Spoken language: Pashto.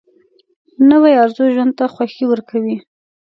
نوې ارزو ژوند ته خوښي ورکوي